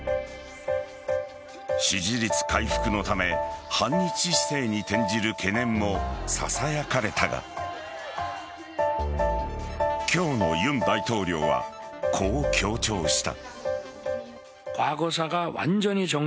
支持率回復のため反日姿勢に転じる懸念もささやかれたが今日の尹大統領は、こう強調した。